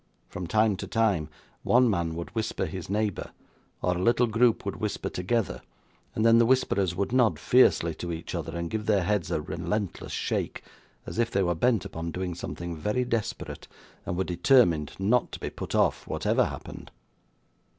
From time to time, one man would whisper to his neighbour, or a little group would whisper together, and then the whisperers would nod fiercely to each other, or give their heads a relentless shake, as if they were bent upon doing something very desperate, and were determined not to be put off, whatever happened.